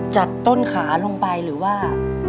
จากต้นขาลงไปหรือว่า